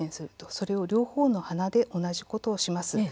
それを両方の鼻で同じことをします。